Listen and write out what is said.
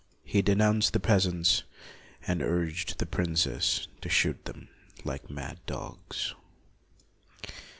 He denounced the peas ants, and urged the princes to shoot them like mad dogs.